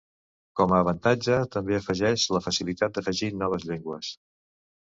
Com a avantatge també afegeix la facilitat d'afegir noves llengües.